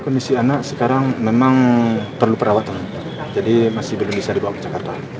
kondisi anak sekarang memang perlu perawatan jadi masih belum bisa dibawa ke jakarta